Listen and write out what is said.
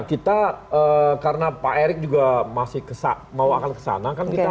kita karena pak erick juga masih mau akan kesana